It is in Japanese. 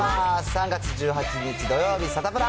３月１８日土曜日、サタプラ。